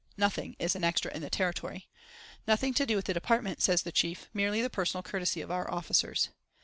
Nothing IS an extra in the Territory. "Nothing to do with the Department," says the chief; "merely the personal courtesy of our officers."